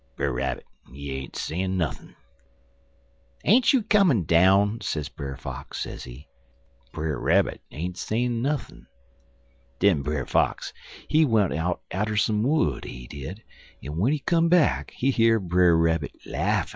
Brer Rabbit ain't Sayin' nuthin'. "'Ain't you comin' down?' sez Brer Fox, sezee. Brer Rabbit ain't sayin' nuthin'. Den Brer Fox, he went out atter some wood, he did, en w'en he come back he hear Brer Rabbit laughin'.